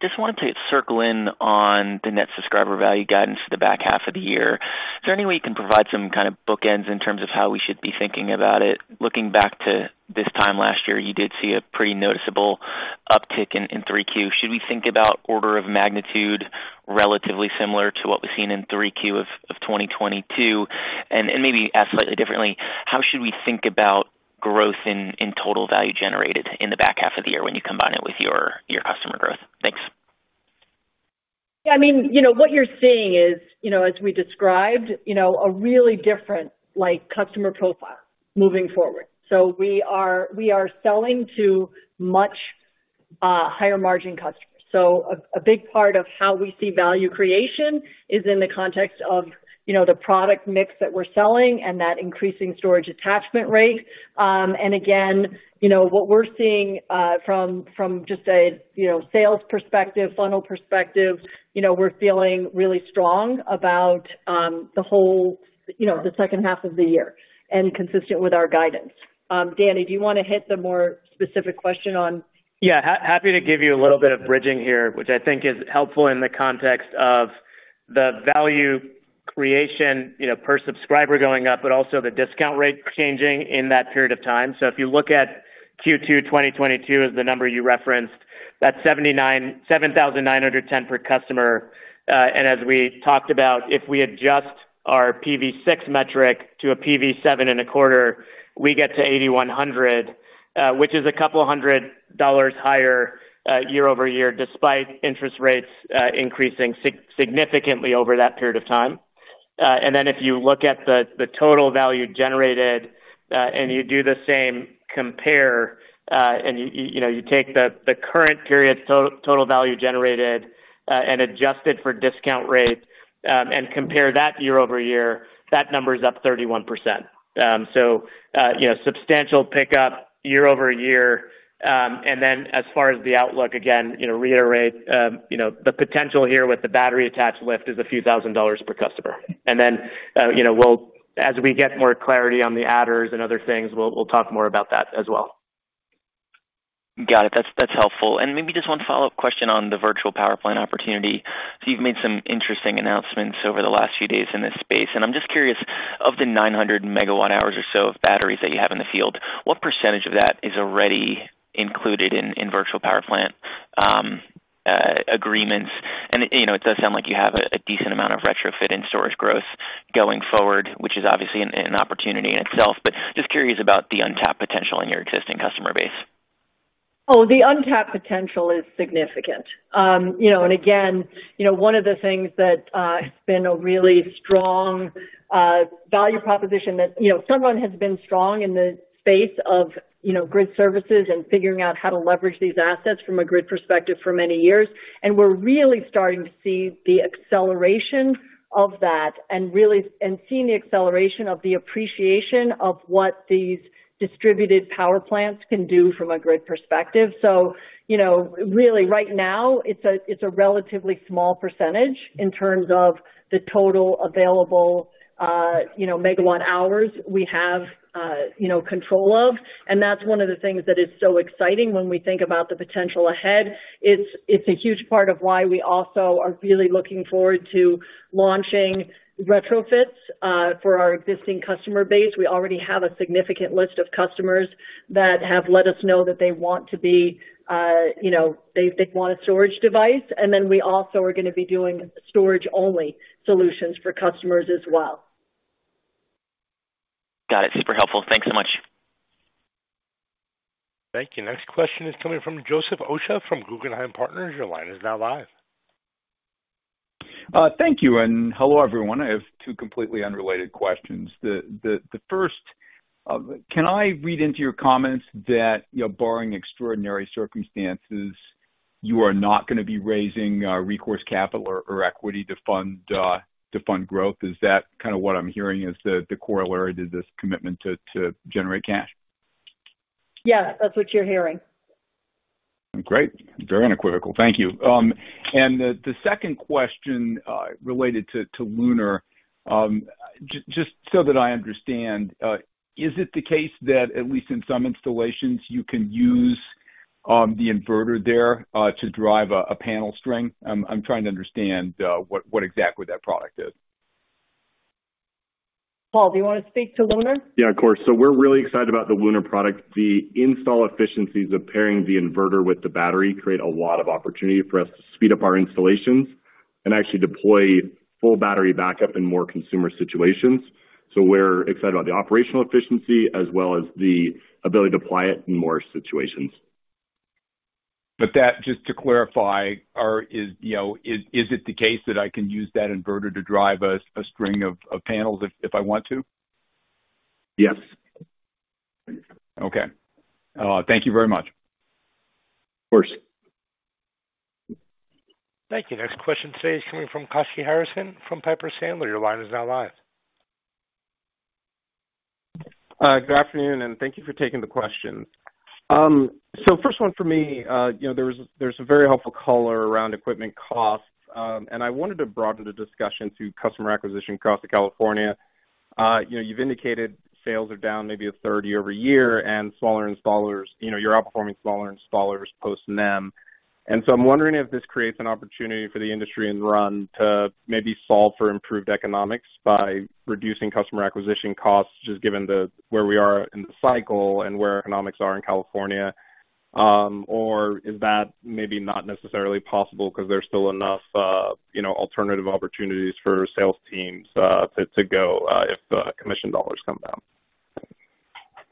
Just wanted to circle in on the Net Subscriber Value guidance for the back half of the year. Is there any way you can provide some kind of bookends in terms of how we should be thinking about it? Looking back to this time last year, you did see a pretty noticeable uptick in 3Q. Should we think about order of magnitude, relatively similar to what we've seen in 3Q of 2022? Maybe ask slightly differently, how should we think about growth in Total Value Generated in the back half of the year when you combine it with your customer growth? Thanks. Yeah, I mean, you know, what you're seeing is, you know, as we described, you know, a really different, like, customer profile moving forward. We are, we are selling to much higher margin customers. A big part of how we see value creation is in the context of, you know, the product mix that we're selling and that increasing storage attachment rate. Again, you know, what we're seeing from, from just a, you know, sales perspective, funnel perspective, you know, we're feeling really strong about the whole, you know, the second half of the year and consistent with our guidance. Danny, do you want to hit the more specific question on? Yeah, happy to give you a little bit of bridging here, which I think is helpful in the context of the value creation, you know, per subscriber going up, but also the discount rate changing in that period of time. If you look at Q2:2022, as the number you referenced, that's $7,910 per customer. As we talked about, if we adjust our PV 6 metric to a PV 7.25, we get to $8,100, which is $200 higher, year-over-year, despite interest rates increasing significantly over that period of time. If you look at the, the Total Value Generated, and you do the same compare, you know, you take the, the current period's Total Value Generated, and adjust it for discount rates, and compare that year-over-year, that number is up 31%. You know, substantial pickup year-over-year. As far as the outlook, again, you know, reiterate, you know, the potential here with the battery attached lift is a few thousand dollars per customer. You know, as we get more clarity on the adders and other things, we'll, we'll talk more about that as well. Got it. That's, that's helpful. Maybe just one follow-up question on the virtual power plant opportunity. You've made some interesting announcements over the last few days in this space, and I'm just curious, of the 900 MW-hours or so of batteries that you have in the field, what % of that is already included in, in virtual power plant agreements? You know, it does sound like you have a, a decent amount of retrofit and storage growth going forward, which is obviously an, an opportunity in itself. But just curious about the untapped potential in your existing customer base. Oh, the untapped potential is significant. You know, and again, you know, one of the things that has been a really strong value proposition that, you know, Sunrun has been strong in the space of, you know, grid services and figuring out how to leverage these assets from a grid perspective for many years. We're really starting to see the acceleration of that and really seeing the acceleration of the appreciation of what these distributed power plants can do from a grid perspective. You know, really, right now, it's a, it's a relatively small percentage in terms of the total available, you know, MW-hours we have, you know, control of, and that's one of the things that is so exciting when we think about the potential ahead. It's, it's a huge part of why we also are really looking forward to launching retrofits for our existing customer base. We already have a significant list of customers that have let us know that they want to be, you know, they, they want a storage device. We also are going to be doing storage-only solutions for customers as well. Got it. Super helpful. Thanks so much. Thank you. Next question is coming from Joseph Osha from Guggenheim Partners. Your line is now live. Thank you. Hello, everyone. I have two completely unrelated questions. The first, can I read into your comments that, you know, barring extraordinary circumstances, you are not going to be raising recourse capital or equity to fund to fund growth? Is that kind of what I'm hearing as the corollary to this commitment to generate cash? Yes, that's what you're hearing. Great. Very unequivocal. Thank you. The, the second question related to, to Lunar. Just so that I understand, is it the case that at least in some installations, you can use the inverter there to drive a, a panel string? I'm, I'm trying to understand what, what exactly that product is. Paul, do you want to speak to Lunar? Yeah, of course. We're really excited about the Lunar product. The install efficiencies of pairing the inverter with the battery create a lot of opportunity for us to speed up our installations and actually deploy full battery backup in more consumer situations. We're excited about the operational efficiency as well as the ability to apply it in more situations. That, just to clarify, you know, is it the case that I can use that inverter to drive a string of panels if I want to? Yes. Okay. Thank you very much. Of course. Thank you. Next question today is coming from Kashy Harrison from Piper Sandler. Your line is now live. Good afternoon, and thank you for taking the question. First one for me, you know, there's a very helpful color around equipment costs. I wanted to broaden the discussion to customer acquisition across the California. You know, you've indicated sales are down maybe a third year-over-year, and smaller installers, you know, you're outperforming smaller installers post NEM. I'm wondering if this creates an opportunity for the industry in the run to maybe solve for improved economics by reducing customer acquisition costs, just given the where we are in the cycle and where economics are in California. Is that maybe not necessarily possible because there's still enough, you know, alternative opportunities for sales teams to, to go, if the commission dollars come down?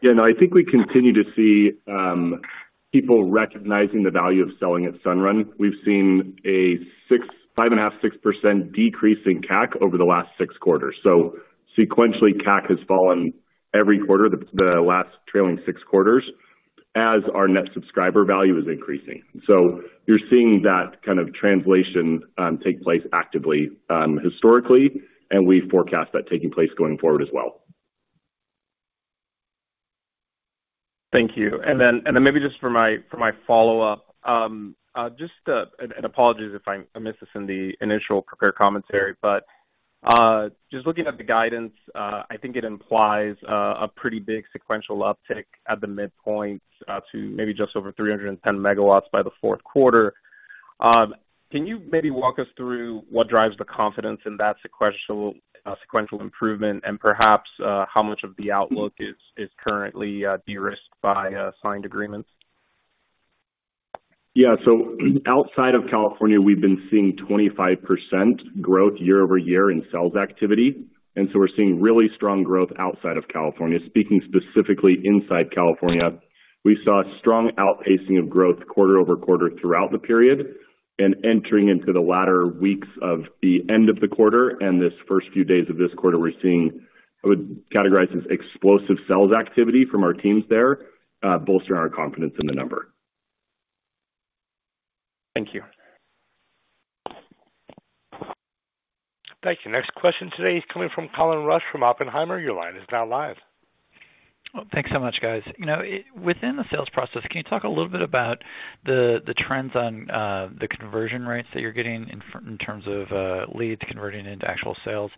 Yeah, no, I think we continue to see people recognizing the value of selling at Sunrun. We've seen a 5.5%-6% decrease in CAC over the last 6 quarters. Sequentially, CAC has fallen every quarter, the last trailing 6 quarters, as our Net Subscriber Value is increasing. You're seeing that kind of translation take place actively, historically, and we forecast that taking place going forward as well. Thank you. Then, maybe just for my, for my follow-up. Just, and apologies if I missed this in the initial prepared commentary, just looking at the guidance, I think it implies a pretty big sequential uptick at the midpoint, to maybe just over 310 MW by the fourth quarter. Can you maybe walk us through what drives the confidence in that sequential, sequential improvement, and perhaps, how much of the outlook is currently de-risked by signed agreements? Yeah. Outside of California, we've been seeing 25% growth year-over-year in sales activity, and so we're seeing really strong growth outside of California. Speaking specifically inside California, we saw strong outpacing of growth quarter-over-quarter throughout the period. Entering into the latter weeks of the end of the quarter, and this first few days of this quarter, we're seeing, I would categorize as explosive sales activity from our teams there, bolstering our confidence in the number. Thank you. Thank you. Next question today is coming from Colin Rusch from Oppenheimer. Your line is now live. Well, thanks so much, guys. You know, it-- within the sales process, can you talk a little bit about the, the trends on the conversion rates that you're getting in terms of leads converting into actual sales?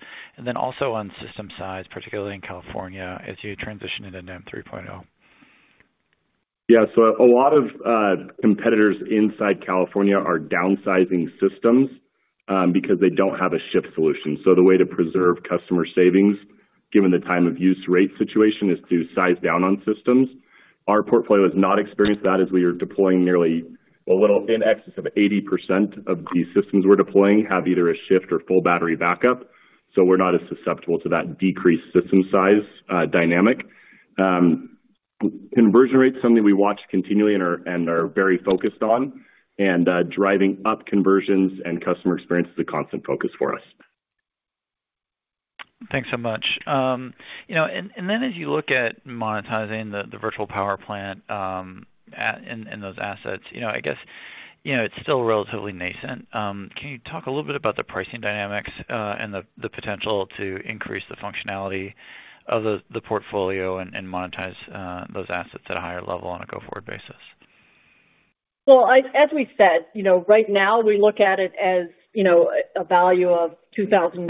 Then also on system size, particularly in California, as you transition into NEM 3.0. Yeah. A lot of competitors inside California are downsizing systems, because they don't have a Shift solution. The way to preserve customer savings, given the time of use rate situation, is to size down on systems. Our portfolio has not experienced that, as we are deploying nearly a little in excess of 80% of the systems we're deploying have either a Shift or full battery backup, so we're not as susceptible to that decreased system size dynamic. Conversion rate is something we watch continually and are very focused on, and driving up conversions and customer experience is a constant focus for us. Thanks so much. You know, then as you look at monetizing the, the virtual power plant, and, and those assets, you know, I guess, you know, it's still relatively nascent. Can you talk a little bit about the pricing dynamics, and the, the potential to increase the functionality of the, the portfolio and, and monetize, those assets at a higher level on a go-forward basis? Well, as we said, you know, right now we look at it as, you know, a value of $2,000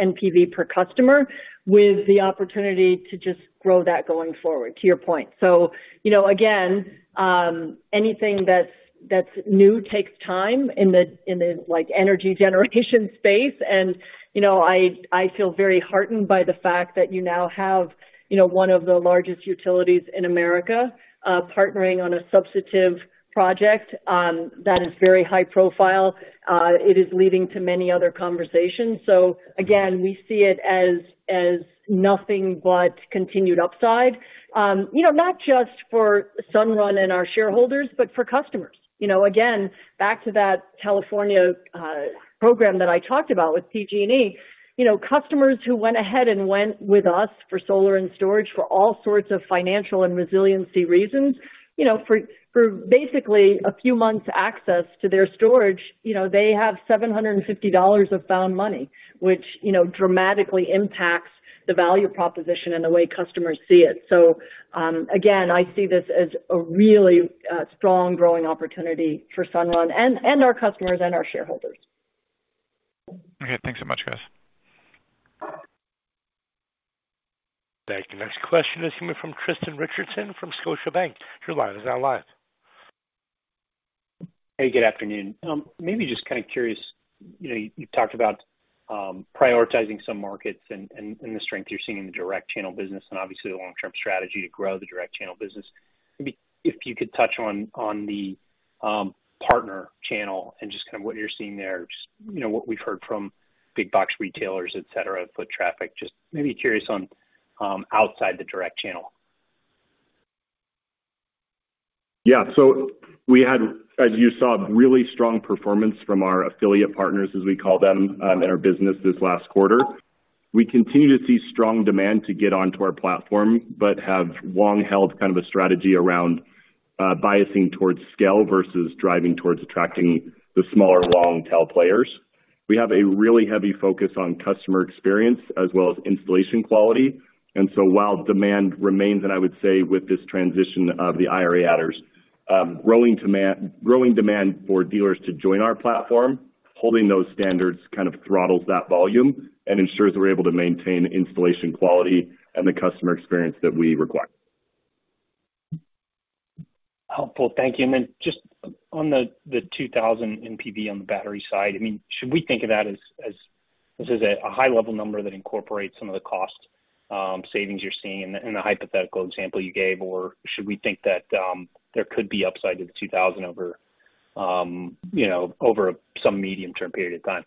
NPV per customer, with the opportunity to just grow that going forward, to your point. You know, again, anything that's, that's new takes time in the, in the, like, energy generation space. You know, I, I feel very heartened by the fact that you now have, you know, one of the largest utilities in America, partnering on a substantive project, that is very high profile. It is leading to many other conversations. Again, we see it as, as nothing but continued upside. You know, not just for Sunrun and our shareholders, but for customers. You know, again, back to that California program that I talked about with PG&E. You know, customers who went ahead and went with us for solar and storage for all sorts of financial and resiliency reasons, you know, for, for basically a few months access to their storage, you know, they have $750 of found money, which, you know, dramatically impacts the value proposition and the way customers see it. Again, I see this as a really strong growing opportunity for Sunrun and, and our customers and our shareholders. Okay, thanks so much, guys. Thank you. Next question is coming from Tristan Richardson, from Scotiabank. Your line is now live. Hey, good afternoon. Maybe just kind of curious, you know, you talked about prioritizing some markets and the strength you're seeing in the direct channel business, and obviously the long-term strategy to grow the direct channel business. Maybe if you could touch on the partner channel and just kind of what you're seeing there. You know, what we've heard from big box retailers, et cetera, foot traffic, just maybe curious on outside the direct channel. Yeah, we had, as you saw, really strong performance from our affiliate partners, as we call them, in our business this last quarter. We continue to see strong demand to get onto our platform, but have long held kind of a strategy around biasing towards scale versus driving towards attracting the smaller, long tail players. We have a really heavy focus on customer experience as well as installation quality. While demand remains, and I would say with this transition of the IRA adders, growing demand, growing demand for dealers to join our platform, holding those standards kind of throttles that volume and ensures we're able to maintain installation quality and the customer experience that we require. Helpful. Thank you. then just-. On the $2,000 NPV on the battery side, I mean, should we think of that as this is a high level number that incorporates some of the cost savings you're seeing in the hypothetical example you gave, or should we think that there could be upside to the $2,000 over, you know, over some medium-term period of time?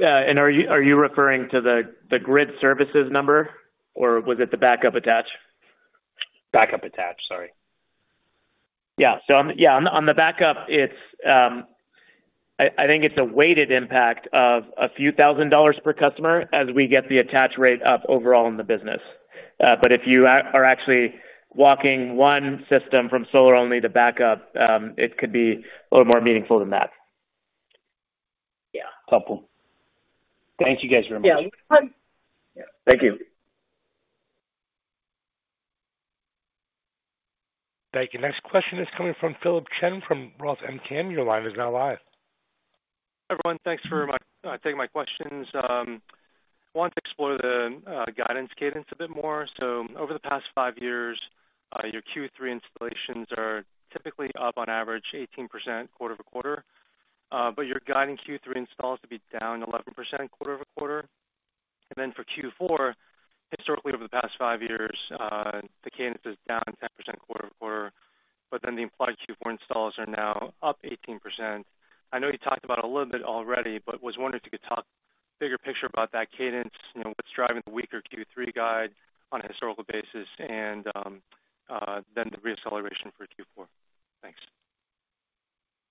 Yeah, are you, are you referring to the, the grid services number, or was it the backup attach? Backup attach. Sorry. Yeah, on, on the backup, it's, I, I think it's a weighted impact of a few thousand dollars per customer as we get the attach rate up overall in the business. But if you are actually walking one system from solar only to backup, it could be a little more meaningful than that. Yeah. Helpful. Thank you, guys, very much. Yeah. Thank you. Thank you. Next question is coming from Philip Shen from ROTH MKM. Your line is now live. Hi, everyone. Thanks for taking my questions. I want to explore the guidance cadence a bit more. Over the past five years, your Q3 installations are typically up on average 18% quarter-over-quarter. Your guiding Q3 installs to be down 11% quarter-over-quarter. Then for Q4, historically, over the past five years, the cadence is down 10% quarter-over-quarter, but then the implied Q4 installs are now up 18%. I know you talked about it a little bit already, but was wondering if you could talk bigger picture about that cadence, you know, what's driving the weaker Q3 guide on a historical basis and then the reacceleration for Q4. Thanks.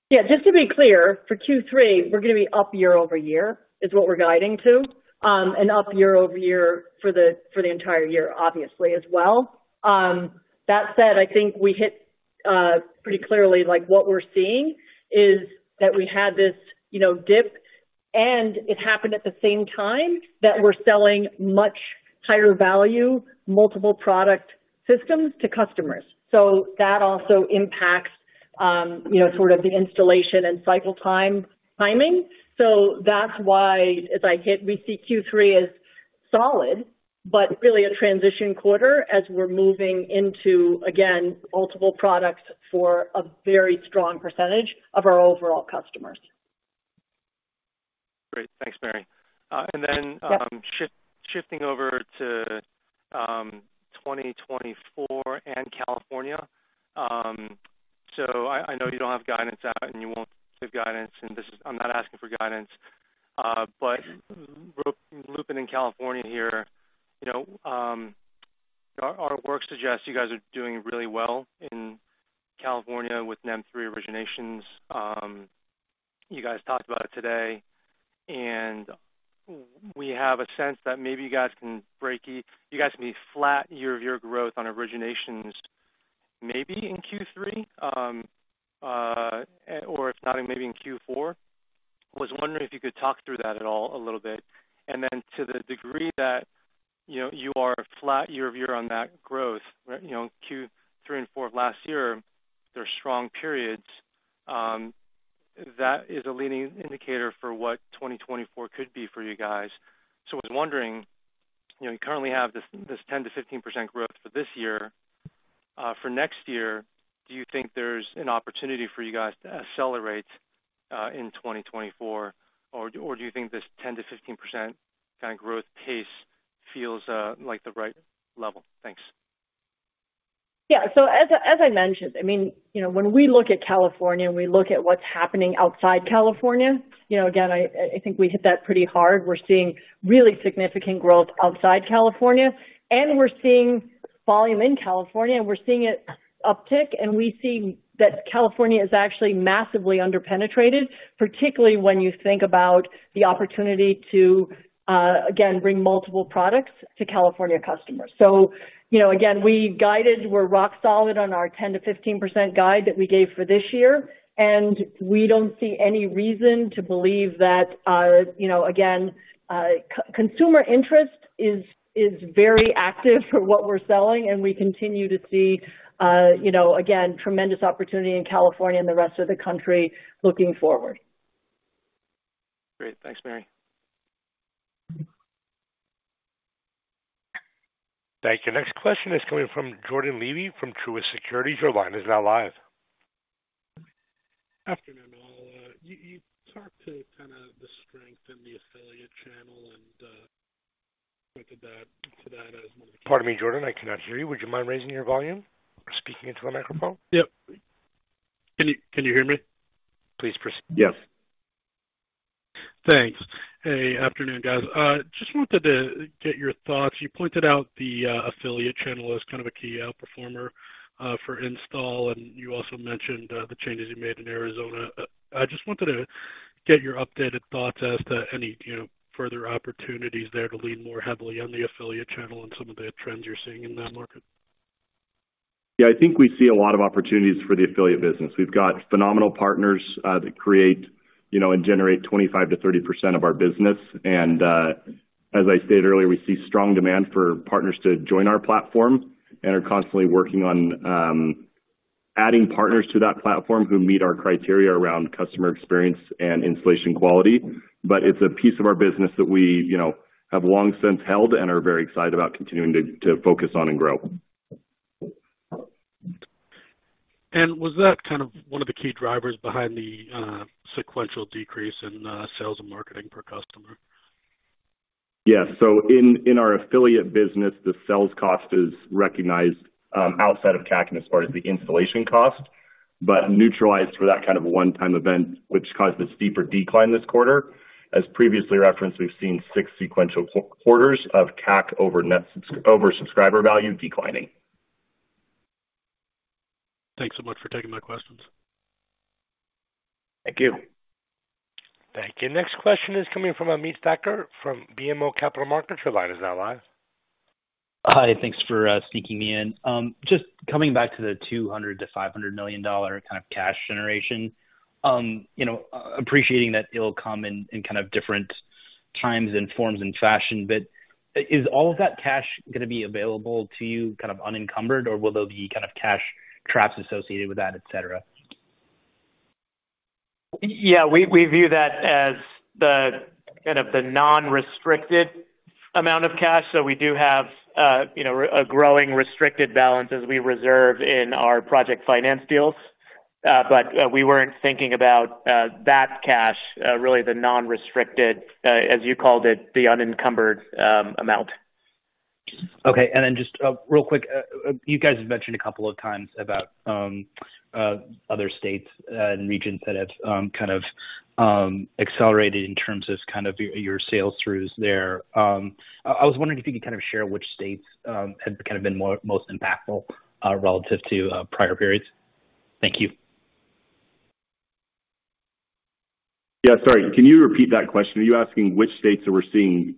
Yeah, just to be clear, for Q3, we're going to be up year-over-year, is what we're guiding to, and up year-over-year for the entire year, obviously, as well. That said, I think we hit pretty clearly, like, what we're seeing is that we had this, you know, dip, and it happened at the same time that we're selling much higher value, multiple product systems to customers. That also impacts, you know, sort of the installation and cycle time timing. That's why as I hit, we see Q3 as solid, but really a transition quarter as we're moving into, again, multiple products for a very strong % of our overall customers. Great. Thanks, Mary. Then, shifting over to 2024 and California. I, I know you don't have guidance out, and you won't give guidance, and this is... I'm not asking for guidance. Looping in California here, you know, our, our work suggests you guys are doing really well in California with NEM3 originations. You guys talked about it today, and we have a sense that maybe you guys can break you guys can be flat year-over-year growth on originations, maybe in Q3, or if not, maybe in Q4. I was wondering if you could talk through that at all a little bit. To the degree that, you know, you are flat year-over-year on that growth, right, you know, Q3 and Q4 of last year, they're strong periods, that is a leading indicator for what 2024 could be for you guys. I was wondering, you know, you currently have this, this 10%-15% growth for this year. For next year, do you think there's an opportunity for you guys to accelerate, in 2024, or, or do you think this 10%-15% kind of growth pace feels, like the right level? Thanks. Yeah. As I, as I mentioned, I mean, you know, when we look at California, and we look at what's happening outside California, you know, again, I, I think we hit that pretty hard. We're seeing really significant growth outside California, and we're seeing volume in California, and we're seeing it uptick, and we see that California is actually massively underpenetrated, particularly when you think about the opportunity to again, bring multiple products to California customers. You know, again, we guided, we're rock solid on our 10%-15% guide that we gave for this year, and we don't see any reason to believe that, you know, again, consumer interest is, is very active for what we're selling, and we continue to see, you know, again, tremendous opportunity in California and the rest of the country looking forward. Great. Thanks, Mary. Thank you. Next question is coming from Jordan Levy from Truist Securities. Your line is now live. Afternoon, all. You talked to kind of the strength in the affiliate channel and pointed to that as one- Pardon me, Jordan, I cannot hear you. Would you mind raising your volume or speaking into the microphone? Yep. Can you, can you hear me? Please proceed. Yes. Thanks. Hey, afternoon, guys. Just wanted to get your thoughts. You pointed out the affiliate channel as kind of a key outperformer for install, and you also mentioned the changes you made in Arizona. I just wanted to get your updated thoughts as to any, you know, further opportunities there to lean more heavily on the affiliate channel and some of the trends you're seeing in that market. Yeah, I think we see a lot of opportunities for the affiliate business. We've got phenomenal partners, that create, you know, and generate 25%-30% of our business. As I stated earlier, we see strong demand for partners to join our platform and are constantly working on, adding partners to that platform who meet our criteria around customer experience and installation quality. It's a piece of our business that we, you know, have long since held and are very excited about continuing to, to focus on and grow. Was that kind of one of the key drivers behind the sequential decrease in sales and marketing per customer? Yes. In, in our affiliate business, the sales cost is recognized outside of CAC as far as the installation cost, but neutralized for that kind of a one-time event which caused a steeper decline this quarter. As previously referenced, we've seen six sequential quarters of CAC over net sub- over Subscriber Value declining. Thanks so much for taking my questions. Thank you. Thank you. Next question is coming from Ameet Thakkar from BMO Capital Markets. Your line is now live. Hi, thanks for sneaking me in. Just coming back to the $200 million-$500 million kind of cash generation. You know, appreciating that it'll come in, in kind of different times and forms and fashion, but is all of that cash gonna be available to you kind of unencumbered, or will there be kind of cash traps associated with that, et cetera? Yeah, we, we view that as the kind of the non-restricted amount of cash. We do have, you know, a growing restricted balance as we reserve in our project finance deals. We weren't thinking about that cash, really the non-restricted, as you called it, the unencumbered amount. Okay. Then just real quick, you guys have mentioned a couple of times about other states and regions that have kind of accelerated in terms of kind of your, your sales throughs there. I was wondering if you could kind of share which states have kind of been more, most impactful, relative to prior periods. Thank you. Yeah. Sorry, can you repeat that question? Are you asking which states are we seeing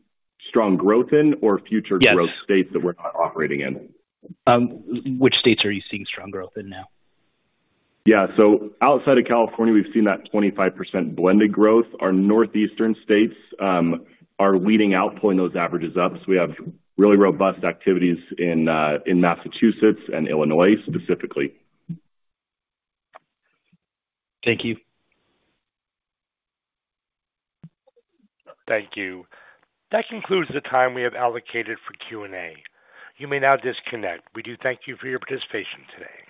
strong growth in or future- Yes growth states that we're not operating in? Which states are you seeing strong growth in now? Yeah. Outside of California, we've seen that 25% blended growth. Our northeastern states are leading, outpulling those averages up. We have really robust activities in Massachusetts and Illinois, specifically. Thank you. Thank you. That concludes the time we have allocated for Q&A. You may now disconnect. We do thank you for your participation today.